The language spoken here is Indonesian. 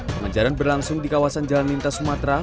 pengejaran berlangsung di kawasan jalan lintas sumatera